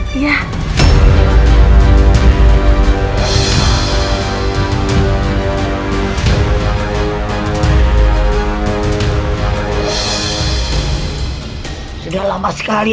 tidak ada yang bisa menghidupkan saya